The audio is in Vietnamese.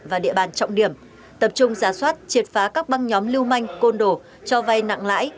và địa bàn trọng điểm tập trung giả soát triệt phá các băng nhóm lưu manh côn đổ cho vay nặng lãi